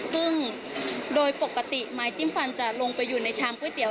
ซึ่งโดยปกติไม้จิ้มฟันจะลงไปอยู่ในชามก๋วเตี๋